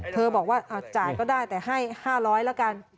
บอกว่าจ่ายก็ได้แต่ให้๕๐๐แล้วกัน